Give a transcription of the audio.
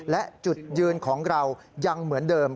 และจุดยืนของเรายังเหมือนเดิม